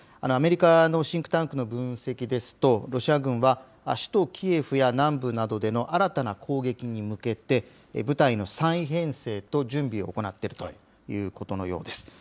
アメリカのシンクタンクの分析ですと、ロシア軍は首都キエフや南部などでの新たな攻撃に向けて、部隊の再編成と準備を行っているということのようです。